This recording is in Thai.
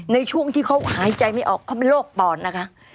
ในช่วงที่เขาหายใจไม่ออกเขาเป็นโรคปอดนะคะ